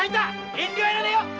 遠慮はいらねえよ！